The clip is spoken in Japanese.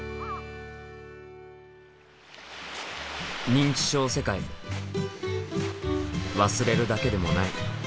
認知症世界忘れるだけでもない。